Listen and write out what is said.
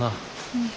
うん。